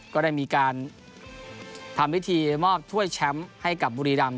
ก็ได้มีการทำพิธีมอบถ้วยแชมป์ให้กับบุรีรำ